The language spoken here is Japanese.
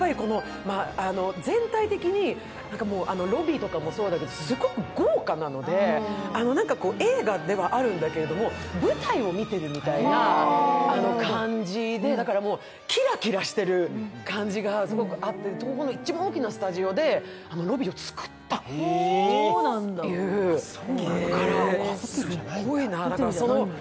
全体的にロビーとかもそうだけど、すごく豪華なので、映画ではあるんだけれども舞台を見てるみたいな感じで、だからキラキラしてる感じがすごくあって東宝の一番大きなスタジオであのロビーを作ったっていうからすごいなって。